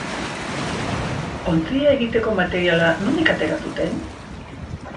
Ontzia egiteko materiala nondik atera zuten?